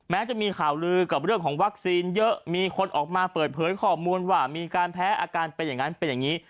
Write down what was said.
จะมีข่าวลือกับเรื่องของวัคซีนเยอะมีคนออกมาเปิดเผยข้อมูลว่ามีการแพ้อาการเป็นอย่างนั้นเป็นอย่างนี้